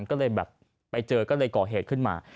ก็เลยแบบไปเจอก็เลยก่อเหตุขึ้นมา